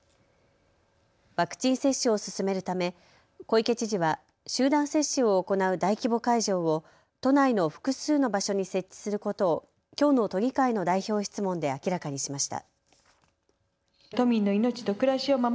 ワクチン接種を進めるため小池知事は集団接種を行う大規模会場を都内の複数の場所に設置することをきょうの都議会の代表質問で明らかにしました。